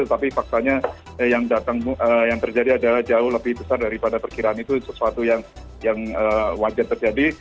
tetapi faktanya yang terjadi adalah jauh lebih besar daripada perkiraan itu sesuatu yang wajar terjadi